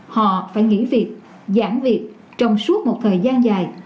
họ phải nghỉ việc giảm việc trong suốt một thời gian dài